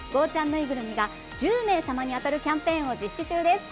縫いぐるみが１０名様に当たるキャンペーンを実施中です。